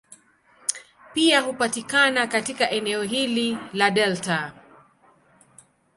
Pia hupatikana katika eneo hili la delta.